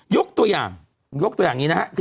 ยกตัวอย่างยกตัวอย่างนี้นะฮะ